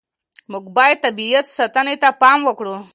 موږ باید د طبیعت ساتنې ته پام وکړو.